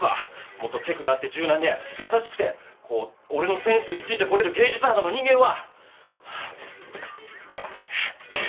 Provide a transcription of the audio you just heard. もっとテクがあって柔軟で優しくてこう俺のセンスについてこれる芸術肌の人間は！